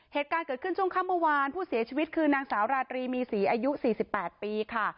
เหตุการณ์เกิดขึ้นช่วงค่ำเมื่อวานผู้เสียชีวิตคือนางสาวราตรีมีศรีอายุ๔๘ปีค่ะ